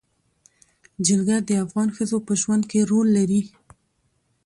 جلګه د افغان ښځو په ژوند کې رول لري.